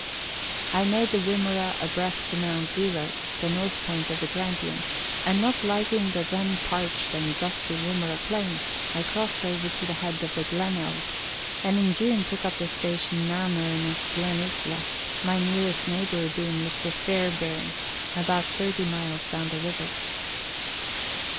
I made the Wimmera abreast of Mount Zero (the north point of the Grampians), and not liking the then parched and dusty Wimmera Plains, I crossed over to the head of the Glenelg, and in June took up the station now known as Glenisla, my nearest neighbour being Mr. Fairbairn, about thirty miles down the river.